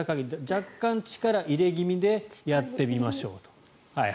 若干、力入れ気味でやってみましょうと。